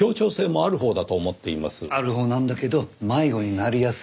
あるほうなんだけど迷子になりやすいだけなの。